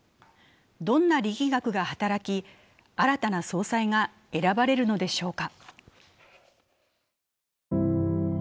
どんな力学が働き、新たな総裁が選ばれるのでしょうか。